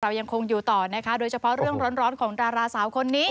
ยังคงอยู่ต่อนะคะโดยเฉพาะเรื่องร้อนของดาราสาวคนนี้